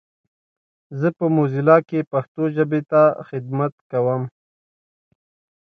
زه په موزیلا کې پښتو ژبې ته خدمت کوم.